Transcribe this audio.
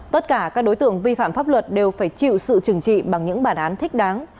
tất cả các đối tượng vi phạm pháp luật đều phải chịu sự trừng trị bằng những bản án thích đáng